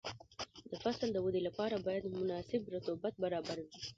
د فصل د ودې لپاره باید مناسب رطوبت برابر وي.